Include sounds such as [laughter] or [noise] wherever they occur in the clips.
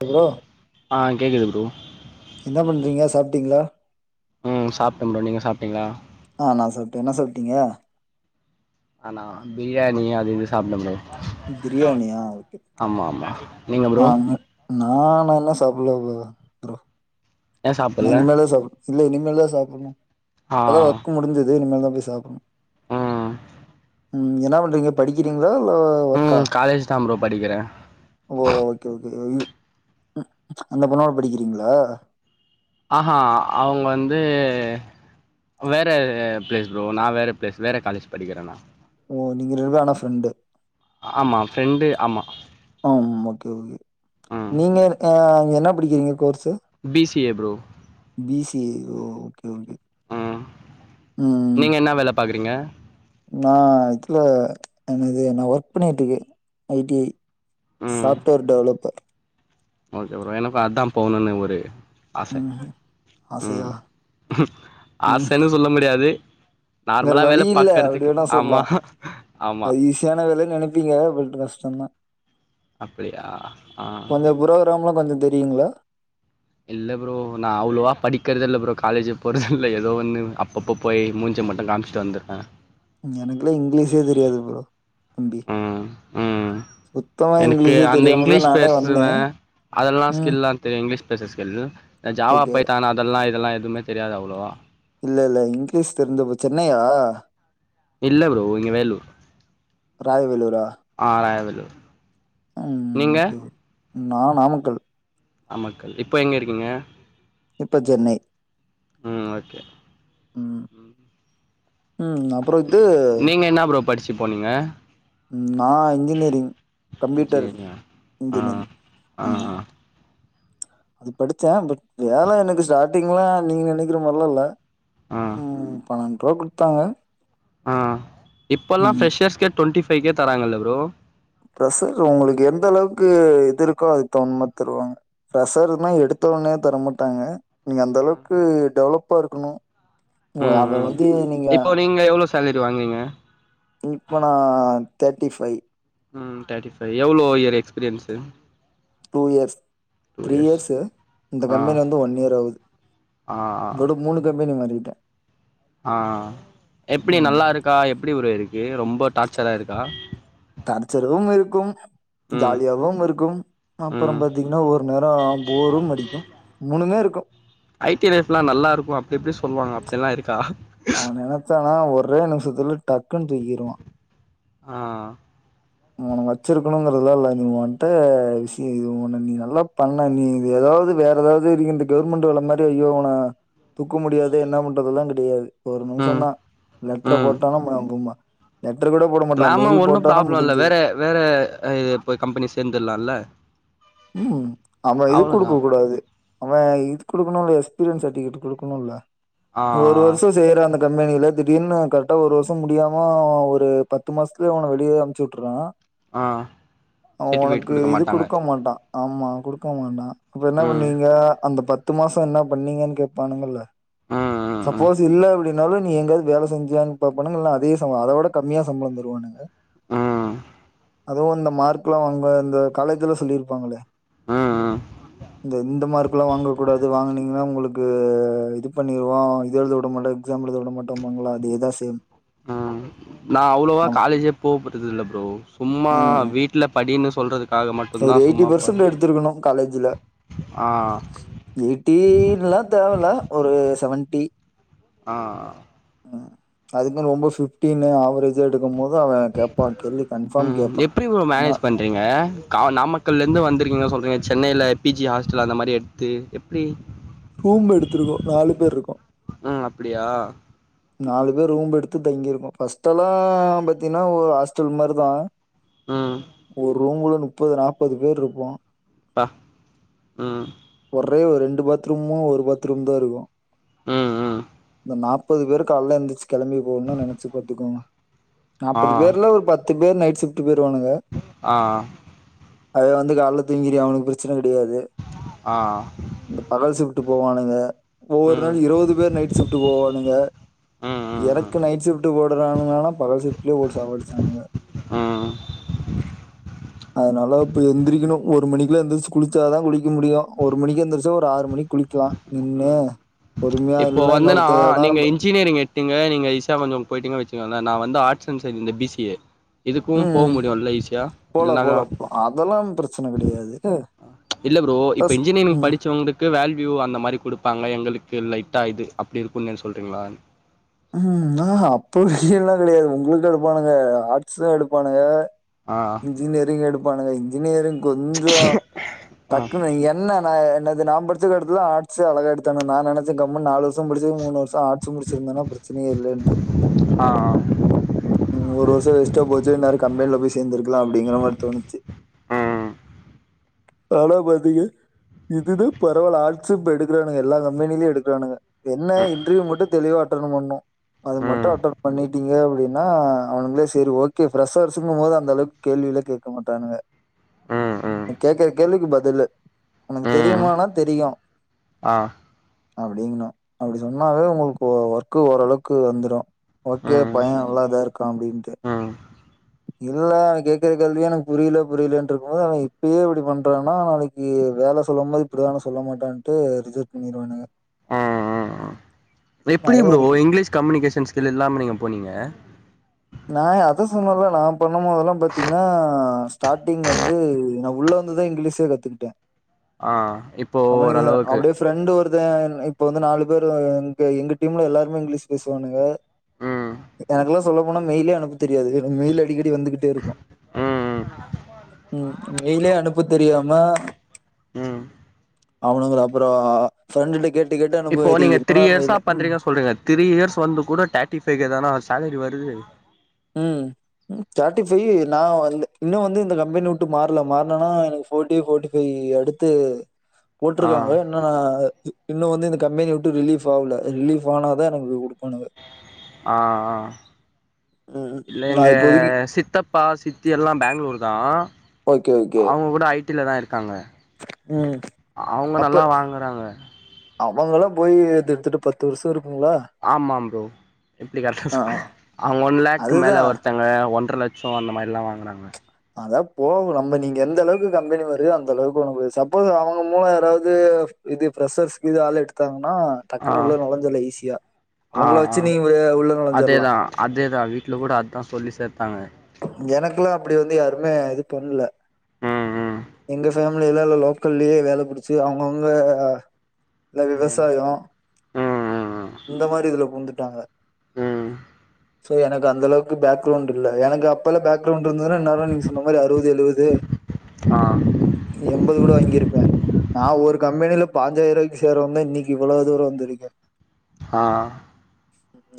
Bro ஆ கேக்குது bro என்னா பண்றீங்க சாப்டீங்ளா ம் சாப்ட்ட ப்ரோ நீங்க சாப்ட்டீங்ளா ஆ நா சாப்ட்ட என்ன சாப்டீங்க நானா பிரியாணி அது இது சாப்ட்ட ப்ரோ பிரியாணியா ஓகே ஆமா ஆமா நீங்க ஆ ப்ரோ நா நல்லா சாப்பல்ல ப்ரோ ப்ரோ ஏ நா சாப்பல்ல இனிமேல் தா சாப்பணு இல்ல இனிமேல்தா சாப்பணு ஆ இப்பதா ஒர்க்கு முடிஞ்சுது இனிமேல்தா போய் சாப்பணு ம் ம் என்ன பண்றீங்க படிக்கிறீங்ளா இல்ல ஒர்க்கா ம் காலேஜ் தா ப்ரோ படிக்கிறே ஓ ஓகே ஓகே அந்த பொண்ணோட படிக்கிறீங்ளா ஆஹா அவுங்க வந்து வேற ப்ளேஸ் ப்ரோ நா வேற ப்ளேஸ் வேற காலேஜ் படிக்கிற நா ஓ நீங்க ரெண்டு பேரு ஆனா ஃப்ரெண்டு ஆமா ஃப்ரெண்டு ஆமா ஆம் ஓகே ஓகே ம் நீங்க அ என்ன படிக்கிறீங்க course B C A bro B C A ஓ ஓகே ஓகே ம் ம் நீங்க என்ன வேல பாக்குறீங்க நா இதுல என்னது நான் ஒர்க் பண்ணிட்ருக்க ஐ டி ஐ ம் சாஃப்ட்வேர் டெவலப்பர் ஓகே ப்ரோ எனக்கு அதா போணுன்னு ஒரு ஆச ம் ம் ஆசையா ம் ஆசன்னு சொல்ல முடியாது வேற நார்மலா வேல வழி இல்ல அப்டி பாக்கறதுக்கு ஆமா ஆமா யான வேலன்னு நெனப்பீங்க பட் கஷ்டம்தா அப்படியா ஆ ப்ரோக்ராம்லா கொஞ்சோ தெரியுங்களா இல்ல ப்ரோ நா அவ்ளவா படிக்கறது இல்ல ப்ரோ காலேஜெ போறதுல்ல ஏதோ ஒன்னு அப்பப்போ போய் மூஞ்ச மட்டு காம்ச்சிட்டு வந்தற எனக்கெல்லா இங்கிலீஷே தெரியாது ப்ரோ தம்பி ம் ம் சுத்தமா எனக்கு இங்கிலீஷே அந்த தெரியாமதா இங்கிலீஷ் நானே வந்தே தெரி இங்லீஷ் பேச [unintelligible] ஜாவா ஓகே பைத்தான் அதெல்லா இதெல்லா எதுவுமே தெரியாது அவ்ளோவா இல்ல இல்ல இங்கிலீஷ் தெரிஞ்சப் சென்னையா இல்ல ப்ரோ இங்க வேலூர் ராயவேலூரா ஆ ராயவேலூர் ம் நீங்க ஓகே நான் நாமக்கல் இப்ப எங்க இருக்கீங்க இப்ப சென்னை ம் ஓகே ம் ம் அப்றோ இது நீங்க என்ன ப்ரோ படிச்சி போனீங்க நா இன்ஜினியரிங் கம்ப்யூட்டர் இன்ஜினியரிங்கா ஆ இன்ஜினியரிங் ஆ ம் அது படிச்ச பட் வேல எனக்கு ஸ்டார்டிங்ல நீங்க நினைக்கற மாரிலா இல்ல ஆ ஆ ம் பண்ணண்டு ரூபா குடுத்தாங்க ஆ இப்பல்லா ம். ஃப்ரெஷர்ஸ்கே டுவெண்ட்டி ஃபைவ் கே தராங்கல்ல ப்ரோ பிரசர் உங்களுக்கு எந்த அளவுக்கு இது இருக்கோ அது தகுந்த மாரி தருவாங்க ஃப்ரெஷர்னா எடுத்த உடனே தரமாட்டாங்க நீங்கள் அந்த அளவுக்கு டெவலப்பா இருக்கணு ம் ம் இப்போ நீங்க எவ்ளோ சேலரி வாங்றீங்க இப்ப நான் தேர்ட்டி ஃபைவ் ம் தேர்ட்டி ஃபைவ் எவ்ளோ year experience two years three இயர்ஸஸு இந்த ஆ கம்பெனி வந்து ஒன் இயர் ஆகுது ஆ இதோட ஆ மூணு கம்பெனி மாறிட்ட ஆ எப்டி ம். நல்லாருக்கா எப்டி ப்ரோ இருக்கு ரொம்ப டார்ச்சரா இருக்கா டார்ச்சரும் இருக்கும் ம் ஜாலியாவும் இருக்கும் ம் அப்பறம் பாத்தீங்கன்னா ஒரு நேரம் போரும் அடிக்கும் மூணுமே இருக்கு ஐ டி லைப்ல்லா நல்லாருக்கு அப்டி இப்டி சொல்வாங்க அப்டிலா இருக்கா அவ நெனச்சானா ஒரே நிமிஷத்துல டக்குன்னு தூக்கிருவா ஆ உன் வச்சிருக்கணுங்கறத இல்ல நீ ஒன்ட விஷயம் இது உன் நீ நல்லா பண்ண நீ இது ஏதாவது வேற ஏதாவது நீ இந்த கவர்மெண்ட் வேல அந்த மாரி ஐயோ இவன தூக்கவும் முடியாது என்ன பண்றது எல்லா கெடையாது ஒரு நிமிஷ ம் தா லெட்டரை ம் போட்டானா ம ம ம லெட்டர் கூட போட மாட்டா நாம மெயில் ஒன்னு போட்டானா ப்ராப்ளம் முடிஞ் இல்ல வேற வேற இப்ப போய் கம்பெனி சேர்ந்துலால ம் அவ இது குடுக்க கூடா அவே இது குடுக்கணுல எக்ஸ்பீரியன்ஸ் சர்டிபிகேட் குடுக்கணுல ஆ நீ ஒரு வருஷோ ஆ சேர்ற அந்த கம்பெனில திடீர்னு கரெக்டா ஒரு வருஷோ முடியாம ஒரு பத்து மாசத்துல உன்ன வெளிய அனுப் பிச்வுட்றா ஆ அவ சர்ட்டிஃபிகேட் உனக்கு இது மாட்டாங்க குடுக்க மாட்டா ஆமா குடுக்கமாட்டா இப்ப என்ன ம் பண்ணீங்க அந்த பத்து மாசோ என்ன பண்ணீங்கன்னு கேட்பானுங்க ல ம் ம் ம் சப்போஸ் இல்ல அப்டி நடுவுல நீ எங்கேயாவது வேல செஞ்சியான்னு பாப்பானுங்க இல்ல அதே சம்ப அதோட கம்மியா சம்பளோ தருவானுங்க ம் அதும் இந்த மார்க் எல்லா வாங்க இந்த காலேஜ்ல சொல்லிருப்பாங்களே ம் ம் இந்த இந்த மார்க் இப்பலா வாங்கக்கூடாது வாங்கனீங்கன்னா உங்களுக்கு இது பண்ணிருவோ இத எழுதவிடமாட்டோ எக்ஸாம் எழுத விட மாட்டோபாங்கள அதேதா சேம் ம் நா அவ்வளோவா ஆமா காலேஜே போ போறது இல்ல ப்ரோ சும்மா ம் வீட்ல படின்னு சொல்றது ஒரு எயிட்டி பெர்சன்ட் எடுத்திருக்கணு காலேஜ்ல ஆ எயிட்டி இதெல்லா தேவல்ல ஒரு செவன்டி ஆ ம் அதுக்கு மேல ரொம்ப ஃபீப்டினு ஆவரேஜ் இன்ட்ரிவியூ எடுக்கு போது அவே கேட்பா கேள்வி கன்ஃபார்ம் கேட்பா இன்னா ஏங்க கா நாமக்கல்ல இருந்து வந்திருக்கீங்க சொல்றீங்க சென்னேல பிஜி ஹாஸ்டல் அந்த மாரி எடுத்து எப்டி ரூம் எடுத்துருக்கோ நாலு பேர் இருக்கோ ம் அப்டியா நாலு பேர் ரூம்ப எடுத்து தங்கியிருக்கோ ஃபஸ்ட்டு எல்லா பாத்தீன்னா ஒரு ஹாஸ்டல் மாரிதா ம் ஒரு ரூம்ல முப்பது நாப்பது பேர் இருப்போ ட உம் ஒரே ஒரு ரெண்டு பாத்ரூமு ஒரு பாத்ரூம் தா இருக்கு ம் ம் நாப்பது பேரு கால்ல எந்திரிச்சு கெளம்பி போகணுனா நெனச்சு பாத்துக்கோங்க ஆ நாப்பது பேர்ல ஒரு பத் து பேர் நைட் ஷிஃப்ட்டு போயிருவானுக ஆ அவே வந்து கால்ல தூங்கிருவியா அவனுக்கு பிரெச்சன கெடையாது ஆ இந்த பகல் ஷிஃப்ட்டு போவானுங்க ஒவ்வொரு நாளு ம் ம் இருவது பேர் நைட் ஷிஃப்ட்டு போவா னுங்க ம் ம் எனக்கு நைட் ஷிஃப்ட்டு போடுறாங்கனானா பகல் ஷிஃப்ட்டுல போட்டு சாவடிச்சானுங்க ஆ அதனால இப்ப எந்திரிக்கணு ஒரு மணிக்குல எந்திரிச்சு குளிச்சா தா குளிக்க முடியு ஒரு மணிக்கு எந்திரிச்சா ஒரு ஆறு மணிக் குளிக்கலா நின்னு ம் பொறுமையா இப்போ இல்ல வந்து நா இன்னொருத்தே ஏ நீங்க இன்ஜினியரிங் எடுத்திங்க நீங்க ஈசியா கொஞ்சோ போயிட்டீங்க வச்சுக்கோளே நா வந்து ஆர்ஸ் அண்ட் சயின்ஸ் இந்த பி சி ஏ இதுக்கு ம் போக ம். முடியு ல ஈஸியா போலாம் இல்னாங்கா போலாம் போலாம். அதெல்லாம் பிரச்சனை கிடையாது அ இல்ல ப்ரோ இப்ப அதான் ஸ்- இன்ஜினியரிங் ம் படிச்சவுங்களு க்கு வேல்வியூ அந்த மாரி குடுப்பாங்க எங்களுக்கு லைட்டா இது அப்டி இருக்குன்னு எது சொல்றீங்களா ம் ஹு ஆ ஹா அப்டி எல்லா கெடையாது உங்களுக்கு எடுப்பானுக ஆர்ட்ஸ் தா எடுப்பானுக ஆ இன்ஜினியரிங் எடுப்பானுங்க இன்ஜினியரிங் கொஞ்சோ ஆ டக்குனு என்ன னா என்னது நா படிச்ச எடத்துல தா ஆட்ஸ் அழகா எடுத்தானுங்க நா நெனச்ச கம்முன் நாலு வர்ஷோ படிச்சது மூனு வர்ஷோ ஆட்ஸ் முடிச்சிருந்தா பிரச்சினையே இல்லன்ட்டு ஆ ம் ஒரு வர்ஷோ வேஸ்ட்டா போச்சு இந்நேரோ கம்பென்ல போய் சேந்துருக்கலா அப்டிங்கிற மார் தோணுச்சு அ தானா பாத்தீங்க இதுதா பரவால்ல ஆட்ஸு இப்ப எடுக்கறானுங்க எல்லா கம்பெனிலியு எடுக்கறானுக என்ன ம் இன்டர்வியூ மட்டு தெளிவா அட்டன் பண்ணு அது மட்டு ம் அட்டன் பண்ணிட்டீங்க அப்டின்னா அவனுங்ளே செரி ஓகே ஃப்ரெஷ்ஷர்ஸுங்கும் போது அந்தளவுக் கேள்வில்லா கேக்க மாட்டானுங்க [inaudible] ம் கேக்கற கேள்விக்கு பதிலு உனக்கு ம் தெரியுமானா தெரியும் ஆ அப்டிங்னு அப்டி சொன்னாவே உங்களுக்கு ஓ ஒர்க்கு ஓரளவுக் கு வந்துரு ஓகே ம் பைய நல்லா தா இருக்கா அப்டின்ட்டு [inaudible] இல்ல அவ கேக்கற கேள்வியே எனக் புரியில புரியிலன்ட்ருக்கும் போது அவ இப்பயே இப்டி பண்றான்னா அவ நாளைக் கி வேல சொல்லும் போது இப்டிதான சொல்ல மாட்டான்ட்டு ரிஜெக்ட் பண்ணிருவானுக எ எ எ ப்ரோ எப்பிடி நெறைய ப்ரோ இருக்கு இங்கிலீஷ் கம்யூனிகேஷன் ஸ்கில் இல்லாம நீங்க போனீங்க நா எ அதா சொன்னல்ல நா பண்ணும் போதெல்லா பாத்தீங்ன்னா ஸ்டாட்டிங் வந்து நா உள்ள வந்துதா இங்கிலீஷே கத்துக்கிட்டே ஆ இப்போ கம்யூனிகேஷன் ஓரளவுக்கு அப்டே ஃப்ரெண்டு் ஒருத்த ன் இப்ப வந்து நாலு பேரு அங்க எங்க டீம்ல எல்லார்மே இங்கிலீஷ் பேஸ்வானுக ம் எனக்குல்லா சொல்ல போனா மெயிலே அனுப்ப தெரியாது எனக் மெயில் அடிக்கடி வந்துகிட் டே இருக்கு ம் ம் மெயிலே அனுப்ப தெரியாம ம் அவனுங்கள அப்பறோ ஃப்ரண்டுட்ட கேட் இப்போ நீங்க த்ரீ இயர்ஸா பண்றீங்க சொல்றீங்களே த்ரீ இயர்ஸ் வந்து கூட தேட்டி ஃபை கே தானா சேலரி வருது ம் தேட்டி ஃபையி நா வந்து இன்னு வந்து இந்த கம்பெனி உட்டு மாற்ல மாற்னன்னா எனக்கு ஃபோட்டி ஃபோட்டி ஃபையி அடுத்து ஆ போட்ருக்காங்க இன்னு நா அ இன்னு வந்து இந்த கம்பெனிவுட்டு ரிலீஃப் ஆவல ரிலீஃப் ஆனாதா எனக்கு குடுப்பானுக ஆ ஆ ம் இல்ல நா எங்க இப்போதைக்கு சித்தப் பா சித்தி எல்லா பேங்ளூர் தா ஓகே ஓகே அவுங்க கூட ஐ டி ல தா இருக்காங்க ம் அவுங்க நல்லா வாங்கறாங்க அவுங்கல்லா போயி ஏத் எத்துட்டு பத்து வர்ஷோ இருக்குங்ளா ஆமா ப்ரோ எப்டி கரெட்டா ஸ் அவுங்க ஒன் லேக்க்கு அதுதா மேல ஒருத்தங்க ஒன்ற லட் சோ அந்த மாரில்லா வாங்கறாங்க அதா போவு நம்ம நீங்க எந்தளவுக்கு கம்பெனி வருது அந்தளவுக்கு உங்களுக் சப்போஸ் அவங்க மூலோ யாராவ்து இது ஃப்ரெஷ்ஷர்ஸ்கீது ஆள் எடுத்தாங்ன்னா ஆ டக்குன்னு உள்ள நொழஞ்சர்ல்லா ஈஸியா அவங்கள வச்சு நீ ஒரு உள்ள நொழஞ்சர்லா அதே தா வீட்ல கூட அதா சொல்லி சேத்தாங்க எனக்குல்லா அப்பிடி வந்து யாருமே இது பண்ல ம் எங்க ஃபேமிலி எல்லால்ல லோக்கல்லே வேல புடிச்சு அவ்ங்கவ்ங்க எல்லா ம் விவசாய இந்த மாரி இதுல பூந்துட்டாங்க சோ எனக்கு அந்த அளவுக்கு பேக்ரவுண்ட் இல்ல எனக்கு அப்பால பேக்ரவுண்ட் இருந்ததுனா இந்நேர நீங்க சொன்ன மாரி அறுவது எழுவது ஆ எம்பது கூட வாங்கிருப்பே நா ஒரு கம்பெனில பாஞ்சாயிரூவாக்கி சேரவும்ந்தா இன்னைக்கு இவளோ தூர வந்திருக்கே ஆ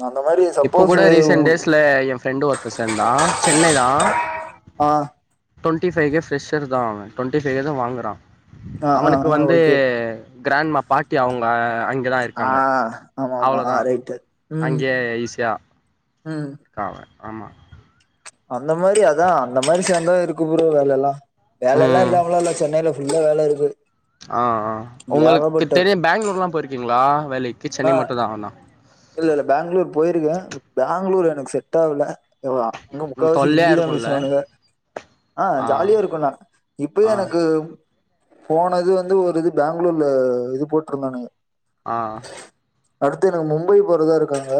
அந்த மாரி இப்ப சப்போஸ் கூட உங்க ரீசன்ட் டேஸ்ல எ ஃப்ரெண்டு ஒருத்த சேந்தா சென்னை தா ஆ ட்வெண்ட்டி ஃபைவ் கே ஃப்ரெஷ்ஷர் தா அவ டவெண்டி ஃபைவ் கே தா வாங்குறா ஆ ஆ அவனுக்கு ஆ வந்து ஓகே கிராண்மா பாட்டி அவ்ங்க அங் ஆ ஆமாம்மா ஆ ரைட்டு ம் ம் க்காவ ஆமா அந்த மாரி அதா அந்த மாரி சேந்த இருக்கு ப்ரோ வேலலா வேலலா ம் இல்லாமலா இல்ல சென்னைல ஃபுல்லா வேல இருக்கு ஆ ஆ ஒங்களுக்கு ஏகப்பட்டது தெரியு பேங்ளூர்லா போயிருக்கீங்ளா வேலைக்கு ஆ சென்னை மட்டுந்தானா இல்ல இல்ல பேங்களூர் போயிருக்கே பேங்களூர் எனக்கு செட் ஆவல எவா இன்னு ம் முக்காவாசி தொல்லையா ஹிந்தி தா இருக்குல்ல பேசுவானுங்க ஆ ஜாலியா இருக்குண்ணா இப்பயே ஆ எனக்கு போன இது வந்து ஒரு இது பேங்ளூர்ல இது போட்ருந்தானுங்க ஆ அடுத்து எனக்கு மும்பை போறதா இருக் க்காங்க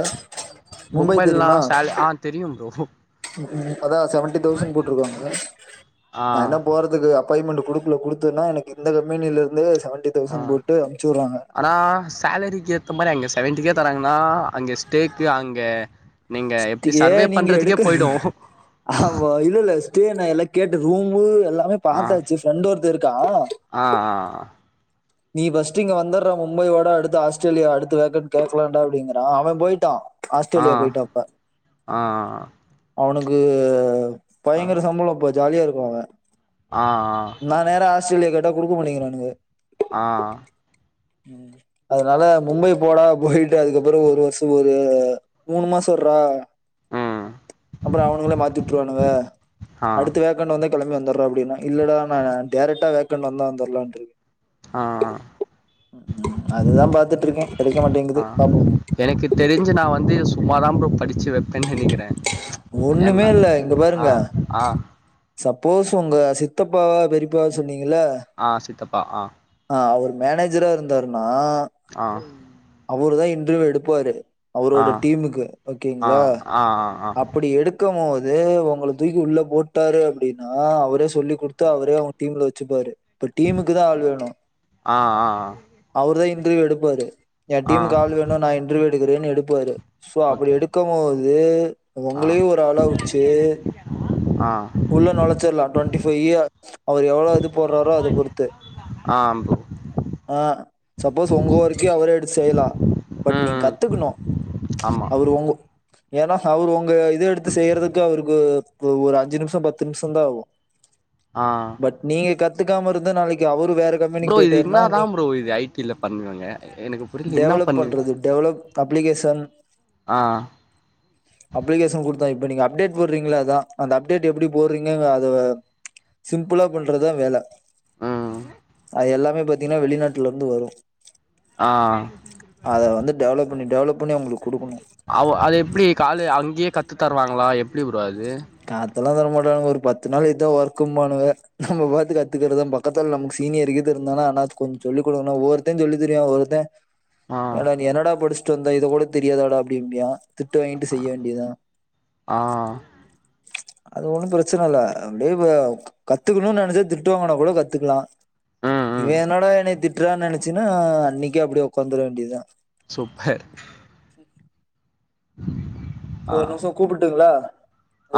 மும்பை பொம்பைல்லா தெரியுமா சேல ஆ தெரியு ப்ரோ ம் ம் அதா செவன்ட்டி தௌசண்ட் போட்ருக்காங்க ஆ நா என்ன போறது து அப்பாயின்மெண்டு குடுக்கல குடுத்தன்னா எனக்கு இந்த கம்பெனில இருந்தே செவண்ட்டி ஆ ஆனா சாலரி கேப் ரொம்பதா அங்க செவன்ட்டி கே தராங்கனா அங்கே ஸ்டேக்கு அங்க நீங்க எப்டி ஸ்டே சர்வே நீங்க பண்றதுக்கே எடுக்க போய்டு ஆமா இல்ல இல்ல ஸ்டே நா எல்லா கேட்டு ரூமு எல்லாமே பாத்தாச்சு ஃப்ரெண்டு ஒருத்த இருக்கா ஆ ஆ நீ ஃபஸ்ட்டு இங்க வந்துர்றா மும்பை வாடா அடுத்து ஆஸ்ட்ரேலியா அடுத்து வேகண்ட் கேக்கலாண்டா அப்டிங்கறா அவ போயிட்டா ஆ ஆ ஆஸ்ட்ரேலியா போயிட்டா இப்ப ஆ அவனுக்கு பயங்கற சம்பள இப்ப ஜாலியா இருக்கா அவ ஆ ஆ நா நேரா ஆஸ்ட்ரேலியா கேட்டா குடுக்க மாட்டிங்கிறானுங்க ஆ ம் அதனால மும்பை போடா போயிட்டு அதுக்கப்பற ஒரு வர்ஷ ஒரு மூணு மாச இர்றா ம் அப்பற அவனுங்களே மாத்தி வுட்டுருவானுங்க ஆ அடுத்த வேக் க்கண்ட் வந்தா கெளம்பி வந்துர்றோ அப்டின்னே இல்லடா நானு டேரக்டா வேகண்ட் வந்த வந்துர்லாண்ட்டு ஆ ம் அதுதா பாத்துட்ருக்கே கெடைக்க மாட்டேங்குது ஆ பாப்போ எனக்கு தெரிஞ்சு நாவந்து சும்மா தா ப்ரோ படிச்சு வெப் பேன் நெனைக்கிறே ஒண்ணுமே ஏனா இல்ல இங்க ஆ பாருங்க ஆ சப்போஸ் ஒங்க சித்தப்பாவா பெரியப்பா சொன்னீங்கல்ல ஆ சித்தப்பா ஆ ஆ அவர் மேனேஜரா இருந்தாருன்னா ஆ அவரு தா இன்டர்வியூ எடுப்பாரு ஆ அவரோட டீமுக்கு ஆ ஓகேங்களா ஆ ஆ ஆ அப்படி எடு க்கும்போது ஒங்கள தூக்கி உள்ள போட்டாரு அப்படின்னா அவரே சொல்லி குடுத்து அவரே அவங்க டீம்ல வச்சுப்பாரு இப்ப டீமுக்கு தா ஆள் வேணு ஆ ஆ அவரு தா இன்டர்வியூ எடுப்பாரு ஏ ஆ ஆ டீமுக்கு ஆள் வேணு நா இன்டர்வியூ எடுக்கிறேன்னு எடுப்பாரு சோ அப்டி ஓகே எடுக்கம் போது ஆ உங்களயும் ஒரு ஆளா வச்சு ஆ உள்ள நொழச்சர்லா ட்வெண்ட்டி ஃபைவ்யர் அவர் எவ்வளோ இது போடுறாரோ அத பொறுத்து ஆ அம்பு ஆ சப்போஸ் ஒங்க ஒருக்கயு அவரே எடுத்து செய்யலா பட் ம் நீங்க ம் கத்துக்கணு ஆமா அவரு ஒங்க ஏன்னா அவரு ஒங்க இத எடுத்து செய்யறதுக்கு அவருக்கு ஒரு அஞ்சு நிமிஷ பத்து நிமிஷந்தா ஆகும் ஆ பட் நீங்க கத்துக்காம இருந்தா நாளைக்கு அவரு வேற கம்பெனிக்கு ப்ரோ இது போயிட்டாருன்னா என்னாதா நீ ப்ரோ இது ஐ டி ல பண்ணுவாங்க எனக்கு புரியல என்னா டெவலப் பண்ணு பண்றது டெவலப் அப்ளிகேஷன் ஆ அப்ளிகேஷன் குடுத்தோ இப்ப நீங்க அப்டேட் போடுறீங்கல்ல அதா அந்த அப்டேட் எப்டி போடுறீங்க அத சிம்பிளா பண்றதுதா வேல ம் அது எல்லாமே பாத்தீங்கன்னா வெளிநாட்டுல இருந்து வரும் ஆ அத வந்து டெவலப் பண்ணி டெவலப் பண்ணி அவங்களுக்கு குடுக்கணு அவ அது எப்டி கால அங்கேயே கத்து தருவாங்களா எப்டி ப்ரோ அது கத்தெல்லா தர மாட்டானுங்க ஒரு பத்து நாள் இதுதான் ஒர்கும்பானுங்க நம்ம பாத்து கத்துக்கறதா பக்கத்துல நமக்கு சீனியருகீது இருந்தானா அண்ணா கொஞ்ச சொல்லி குடுங்கன்னா ஒவொரு தன் சொல்லி தரிவியா ஒருத்தெ ஆ ஏடா நீ என்னடா படிச்சுட்டு வந்த இத கூட தெரியாதாடா அப்பிடிம்பியா திட்டு வாங்கிட்டு செய்ய வேண்டியதுதா ஆ அது ஒண்ணு பிரச்சன இல்ல அப்டியே கத்துக்கணும்னு நெனைச்சா திட்டுவாங்கனா கூட கத்துக்கலா ம் இவ ம் என்னடா என்னய திட்டுறான்னு நினச்சின்னா அன்னைக்கே அப்டியே உக்காந்துர வேண்டியதுதா சூப்பர் தோ ஆ ஒருநிமிஷம் கூப்பிட்டுங்களா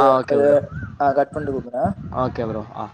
ஆ ஓகே அத ப்ரோ ஆ கட் பண்ணிட்டு கூப்பறே ஓகே ப்ரோ ஆ